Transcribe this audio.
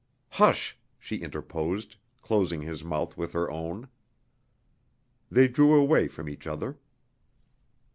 "Hush!" she interposed, closing his mouth with her own. They drew away from each other.